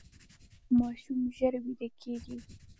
ماشوم ژر ویده کیږي.